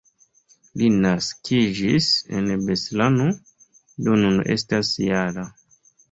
Li naskiĝis en Beslano, do nun estas -jara.